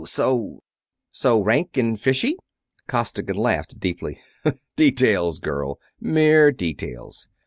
"So rank and fishy?" Costigan laughed deeply. "Details, girl; mere details.